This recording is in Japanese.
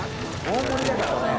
大盛だからね。